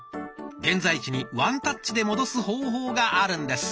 現在地にワンタッチで戻す方法があるんです。